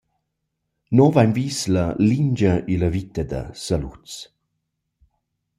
Nus vain vis la lingia in la vita da Saluz.